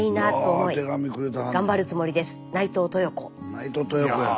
内藤豊子やん。